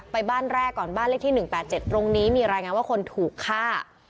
บ้านแรกก่อนบ้านเลขที่๑๘๗ตรงนี้มีรายงานว่าคนถูกฆ่า